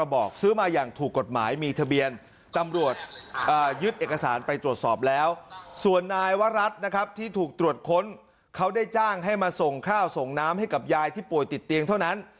บทค้นเขาได้จ้างให้มาส่งข้าวส่งน้ำให้กับยายที่ป่วยติดเตียงเท่านั้น